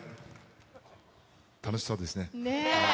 楽しそうですね。ねぇ。